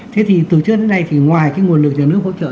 thế thì từ trước đến nay thì ngoài cái nguồn lực nhà nước hỗ trợ